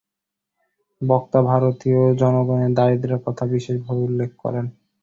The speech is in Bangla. বক্তা ভারতীয় জনগণের দারিদ্র্যের কথা বিশেষভাবে উল্লেখ করেন।